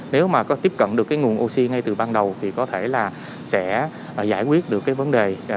nếu mà có tiếp cận được cái nguồn oxy ngay từ ban đầu thì có thể là sẽ giải quyết được cái vấn đề